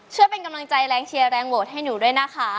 ช่วยเป็นกำลังใจแรงเชียร์แรงโหวตให้หนูด้วยนะคะ